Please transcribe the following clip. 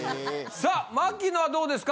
さあ槙野はどうですか